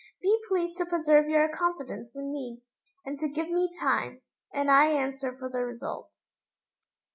Be pleased to preserve your confidence in me, and to give me time and I answer for the result.